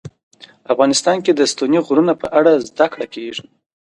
افغانستان کې د ستوني غرونه په اړه زده کړه کېږي.